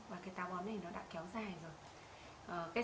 và cái táo bón này đã kéo dài rồi